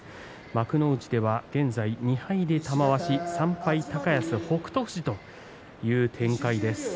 幕内では現在２敗で玉鷲３敗高安と北勝富士という展開です。